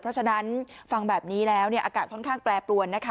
เพราะฉะนั้นฟังแบบนี้แล้วเนี่ยอากาศค่อนข้างแปรปรวนนะคะ